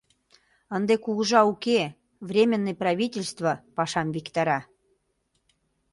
Ынде кугыжа уке, Временный правительство пашам виктара.